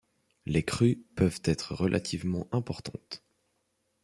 Les crues peuvent être relativement importantes.